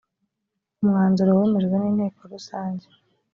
umwanzuro wemejwe n inteko rusange